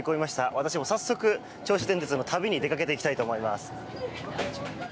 私も早速、銚子電鉄の旅に出かけていきたいと思います。